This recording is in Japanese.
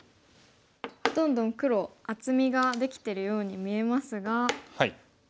どんどん黒厚みができてるように見えますが。